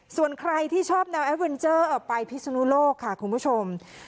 ส่วนใครที่ชอบแนวแอดเวนเจอร์ไปพิศนุโลกค่ะคุณผู้ชม